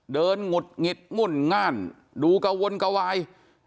เดินหงุดหงิดมุ่นง่านดูกะวนกะวาย